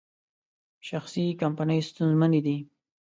شخصي کمپنۍ ستونزمنې دي.